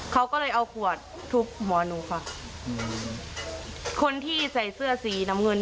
เขาก็เลยเอาขวดทุบหัวหนูค่ะอืมคนที่ใส่เสื้อสีน้ำเงิน